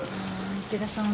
池田さん。